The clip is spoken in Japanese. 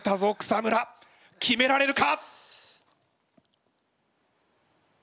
草村決められるか！？